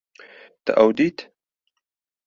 Te ew dît